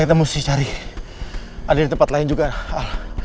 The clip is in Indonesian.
kita mesti cari andin di tempat lain juga al